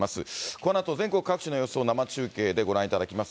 このあと全国各地の様子を生中継でご覧いただきます。